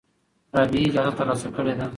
رابعه اجازه ترلاسه کړې ده.